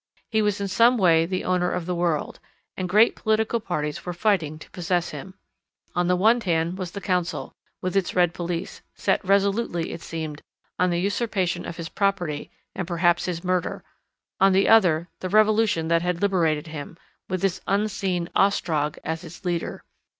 He was in some way the owner of the world, and great political parties were fighting to possess him. On the one hand was the Council, with its red police, set resolutely, it seemed, on the usurpation of his property and perhaps his murder; on the other, the revolution that had liberated him, with this unseen "Ostrog" as its leader.